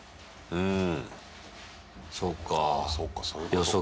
うん。